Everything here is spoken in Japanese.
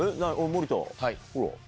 森田ほら。